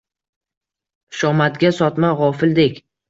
Xushomadga sotma gʼofildek.